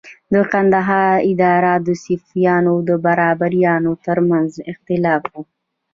د کندهار اداره د صفویانو او بابریانو تر منځ د اختلاف وه.